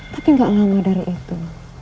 tapi gak lama dari itu